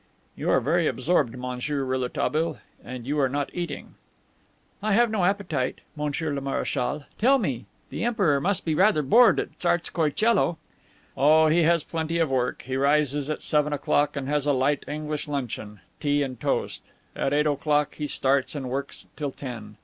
"You are very absorbed, Monsieur Rouletabille, and you are not eating." "I have no appetite, Monsieur le Marechal. Tell me, the Emperor must be rather bored at Tsarskoie Coelo?" "Oh, he has plenty of work. He rises at seven o'clock and has a light English luncheon tea and toast. At eight o'clock he starts and works till ten.